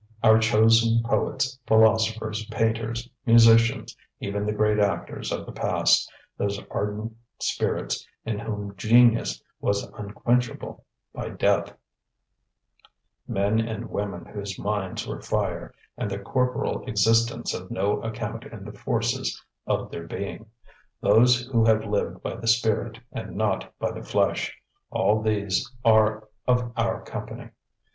Our chosen poets, philosophers, painters, musicians, even the great actors of the past, those ardent spirits in whom genius was unquenchable by death, men and women whose minds were fire, and their corporal existence of no account in the forces of their being: those who have lived by the spirit and not by the flesh all these are of our company.